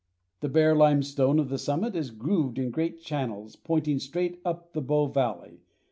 The bare limestone of the summit is grooved in great channels pointing straight up the Bow valley.